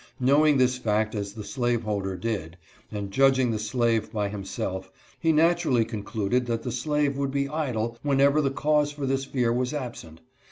Knowing this fact as the slaveholder did, and judging the slave by himself, he naturally concluded that the slave would be idle whenever the cause for this fear was absent.